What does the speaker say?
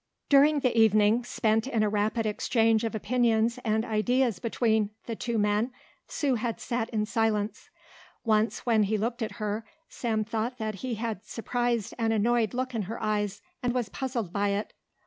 During the evening, spent in a rapid exchange of opinions and ideas between the two men, Sue had sat in silence. Once when he looked at her Sam thought that he had surprised an annoyed look in her eyes and was puzzled by it.